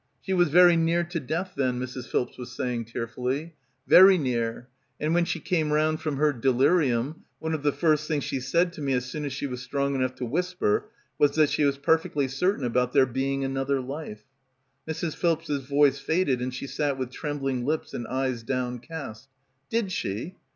"She was very near to death then," Mrs. Philps was saying tearfully, "very near, and when she came round from her delirium, one of the first things she said to me as soon as she was strong enough to whisper, was that she was per fectly certain about there being another life." Mrs. Philps's voice faded and she sat with trem bling lips and eyes downcast. "Did she!"